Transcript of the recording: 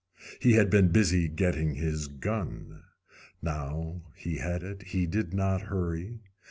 He had been busy getting his gun. Now he had it he did not hurry.